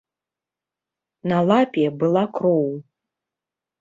На лапе была кроў.